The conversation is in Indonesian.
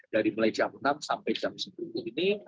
dari mulai jam enam sampai jam sepuluh ini